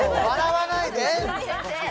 笑わないで。